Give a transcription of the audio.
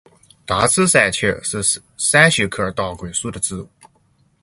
大齿山芹是伞形科当归属的植物。